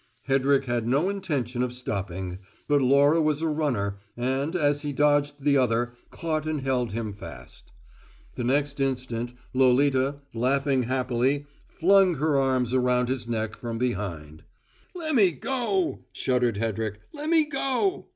Hedrick had no intention of stopping, but Laura was a runner, and, as he dodged the other, caught and held him fast. The next instant, Lolita, laughing happily, flung her arms round his neck from behind. "Lemme go!" shuddered Hedrick. "Lemme go!"